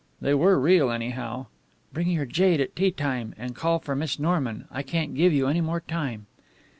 They were real, anyhow. "Bring your jade at tea time and call for Miss Norman. I can't give you any more time."